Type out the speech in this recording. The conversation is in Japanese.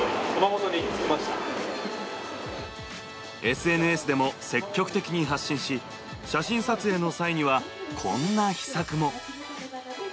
ＳＮＳでも積極的に発信し、写真撮影の際には、こんな秘策も。